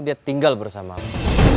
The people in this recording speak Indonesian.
dia tinggal bersama kamu